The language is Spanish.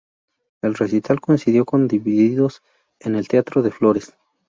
El recital coincidió con Divididos en el Teatro de Flores.